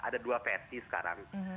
ada dua versi sekarang